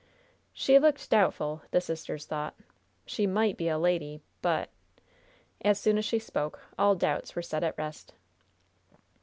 She looked doubtful, the sisters thought. She might be a lady, but As soon as she spoke all doubts were set at rest.